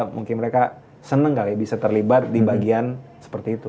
mungkin mereka senang kali bisa terlibat di bagian seperti itu